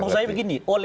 menurut saya begini